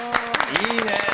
いいね。